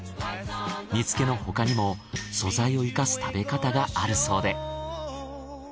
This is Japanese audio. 煮付けの他にも素材を活かす食べ方があるそうで。